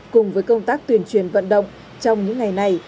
cùng với công tác tuyên truyền vận động trong những ngày này